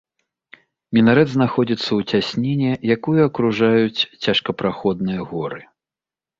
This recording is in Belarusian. Мінарэт знаходзіцца ў цясніне, якую акружаюць цяжкапраходныя горы.